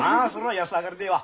安上がりでええわ。